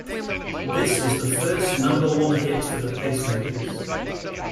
This was the first number one hit for the Pacemakers.